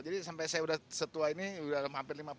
jadi sampai saya sudah setua ini sudah hampir lima puluh